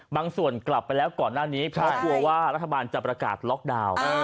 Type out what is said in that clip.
ส่วนกลับไปแล้วก่อนหน้านี้เพราะกลัวว่ารัฐบาลจะประกาศล็อกดาวน์